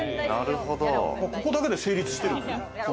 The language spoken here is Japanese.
ここだけで成立してるもんね。